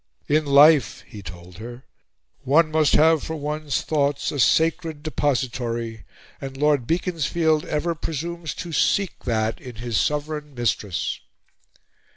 "In life," he told her, "one must have for one's thoughts a sacred depository, and Lord Beaconsfield ever presumes to seek that in his Sovereign Mistress."